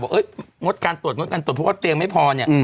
งดการตรวจงดการตรวจเพราะว่าเตียงไม่พอเนี่ย